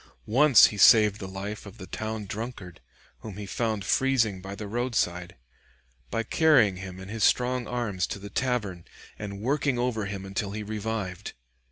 Once he saved the life of the town drunkard, whom he found freezing by the roadside, by carrying him in his strong arms to the tavern, and working over him until he revived.